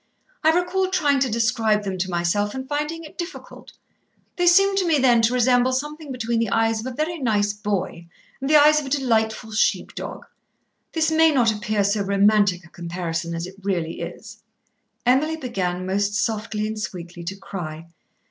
I recall trying to describe them to myself and finding it difficult. They seemed to me then to resemble something between the eyes of a very nice boy and the eyes of a delightful sheep dog. This may not appear so romantic a comparison as it really is." Emily began most softly and sweetly to cry.